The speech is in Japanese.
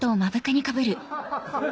・ハハハ・